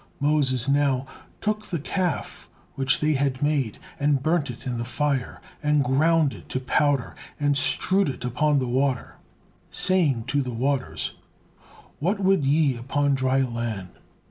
Moses now "took the Calf which they had made, and burnt it in the fire, and ground it to powder, and strewed it upon the water," saying to the waters: "What would ye upon the dry land?"